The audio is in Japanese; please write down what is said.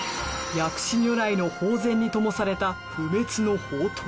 薬師如来の宝前にともされた不滅の法燈。